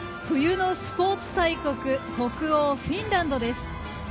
冬のスポーツ大国北欧フィンランドです。